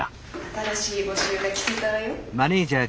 新しい募集が来てたわよ。